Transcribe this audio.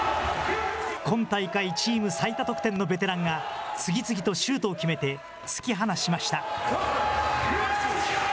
今大会チーム最多得点のベテランが、次々とシュートを決めて、突き放しました。